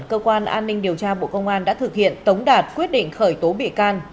cơ quan an ninh điều tra bộ công an đã thực hiện tống đạt quyết định khởi tố bị can